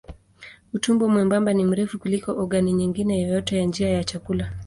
Utumbo mwembamba ni mrefu kuliko ogani nyingine yoyote ya njia ya chakula.